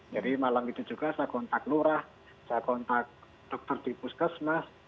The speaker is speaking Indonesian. jadi malam itu juga saya kontak lurah saya kontak dokter di puskesmas